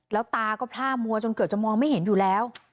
แล้วตาก็พล่ามัวจนเกือบจะมองไม่เห็นอยู่แล้ว